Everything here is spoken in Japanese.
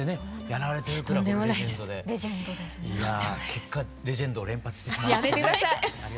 結果「レジェンド」を連発してしまってね。